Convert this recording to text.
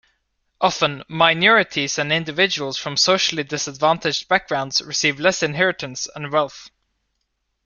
Often, minorities and individuals from socially disadvantaged backgrounds receive less inheritance and wealth.